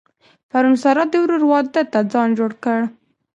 پرون سارا د ورور واده ته ځان جوړ کړ.